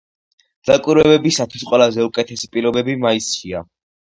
დაკვირვებებისათვის ყველაზე უკეთესი პირობები მაისშია.